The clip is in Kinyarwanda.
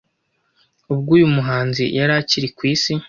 ubwo uyu muhanzi yari akiri ku Isi.